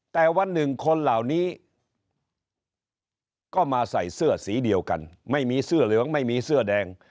แต่วันหนึ่งคนเหล่านี้ก็มาใส่เสื้อสีเดียวกันไม่มีเสื้อเหลืองไม่มีเสื้อแดง